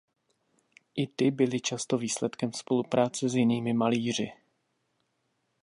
I ty byly často výsledkem spolupráce s jinými malíři.